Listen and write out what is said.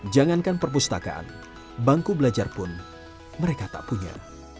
jangankan perpustakaan bangku belajar pun mereka tak punya